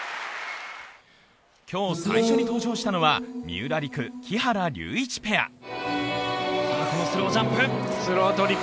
今日最初に登場したのは三浦璃来・木原龍一ペア。